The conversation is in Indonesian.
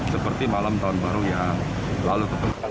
seperti malam tahun baru yang lalu